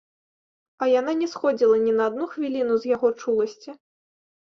А яна не сходзіла ні на адну хвіліну з яго чуласці.